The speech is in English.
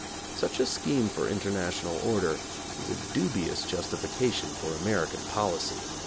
Such a scheme for international order is a dubious justi fication for American policy.